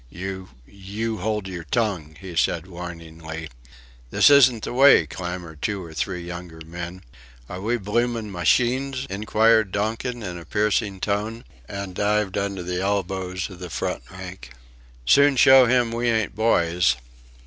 "You you hold your tongue," he said, warningly. "This isn't the way," clamoured two or three younger men. "Are we bloomin' masheens?" inquired Donkin in a piercing tone, and dived under the elbows of the front rank. "Soon show 'im we ain't boys..."